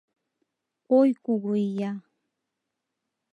— Ой, кугу ия!